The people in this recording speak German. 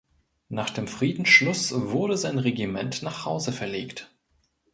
Nach dem Friedensschluss wurde sein Regiment nach Hause verlegt.